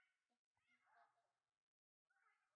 Alimdanganya baba yangu